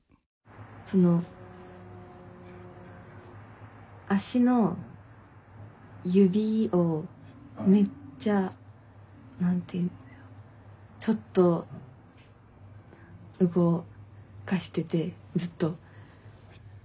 その足の指をめっちゃ何て言うちょっと動かしててずっと。